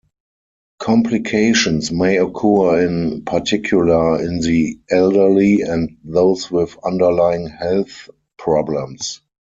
Complications may occur in particular in the elderly and those with underlying health problems.